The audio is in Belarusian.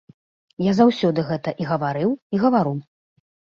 Я заўсёды гэта і гаварыў, і гавару.